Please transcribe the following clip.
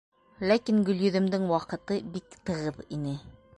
Ләкин Гөлйөҙөмдөң ваҡыты бик тығыҙ ине.